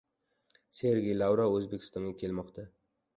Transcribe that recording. Sergey Lavrov O‘zbekistonga kelmoqda